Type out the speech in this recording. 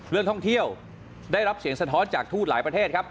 เรื่องท่องเที่ยวได้รับเสียงสะท้อนจากทูตหลายประเทศครับ